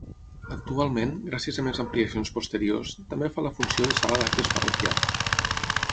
Actualment, gràcies a més ampliacions posteriors, també fa la funció de sala d'actes parroquial.